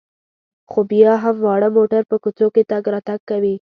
خو بیا هم واړه موټر په کوڅو کې تګ راتګ کوي.